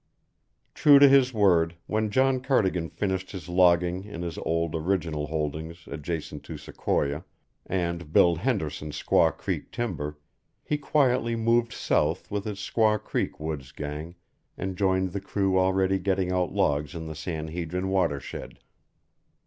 True to his word, when John Cardigan finished his logging in his old, original holdings adjacent to Sequoia and Bill Henderson's Squaw Creek timber, he quietly moved south with his Squaw Creek woods gang and joined the crew already getting out logs in the San Hedrin watershed.